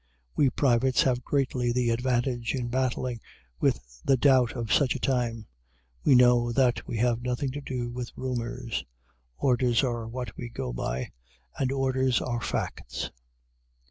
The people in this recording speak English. We privates have greatly the advantage in battling with the doubt of such a time. We know that we have nothing to do with rumors. Orders are what we go by. And orders are Facts.